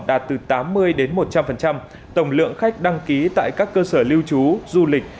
đạt từ tám mươi đến một trăm linh tổng lượng khách đăng ký tại các cơ sở lưu trú du lịch